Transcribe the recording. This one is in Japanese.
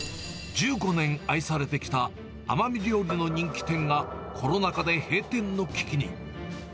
１５年愛されてきた奄美料理の人気店が、コロナ禍で閉店の危機に。